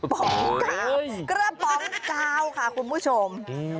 ป๋องกาวกระป๋องกาวค่ะคุณผู้ชม